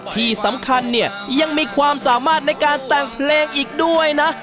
ที่สำคัญเนี่ยยังมีความสามารถในการแต่งเพลงอีกด้วยนะ